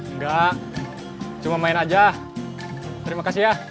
enggak cuma main aja terima kasih ya